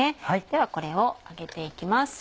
ではこれを上げて行きます。